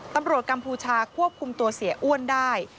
กัมพูชาควบคุมตัวเสียอ้วนได้